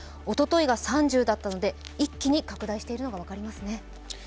おとといが３０だったので一気に拡大しているのが分かりますね。